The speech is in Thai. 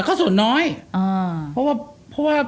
ก็เป็นได้